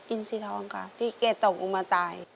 อินสิท้องค่ะที่เกตตกอุมาตาย